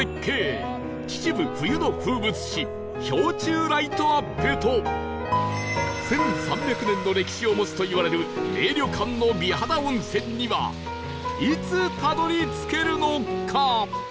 秩父冬の風物詩氷柱ライトアップと１３００年の歴史を持つといわれる名旅館の美肌温泉にはいつたどり着けるのか？